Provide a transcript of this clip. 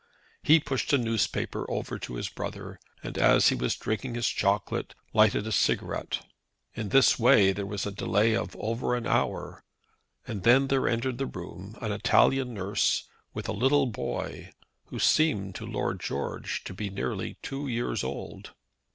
He pushed a newspaper over to his brother, and as he was drinking his chocolate, lighted a cigarette. In this way there was a delay of over an hour, and then there entered the room an Italian nurse with a little boy who seemed to Lord George to be nearly two years old.